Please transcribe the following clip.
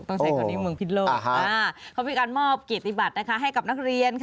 เค้าพูดว่าการมอบเกติบัติให้กับนักเรียน